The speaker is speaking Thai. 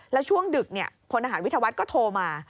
แล้วช่วงดึกพลทหารวิทยาวัฒน์ก็โทรมา